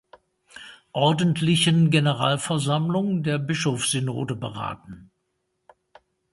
Ordentlichen Generalversammlung der Bischofssynode beraten.